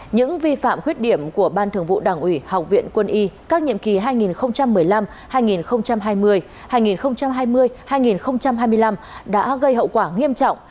những vi phạm khuyết điểm của ban thường vụ đảng ủy học viện quân y các nhiệm kỳ hai nghìn một mươi năm hai nghìn hai mươi hai nghìn hai mươi hai nghìn hai mươi năm đã gây hậu quả nghiêm trọng